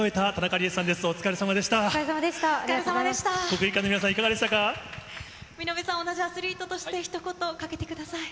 見延さん、アスリートとして、ひと言かけてください。